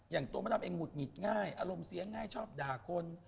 อย่างตัวมะดำเองหุดหงิดง่ายอารมณ์เสียง่ายชอบด่าคน